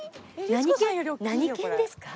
何犬ですか？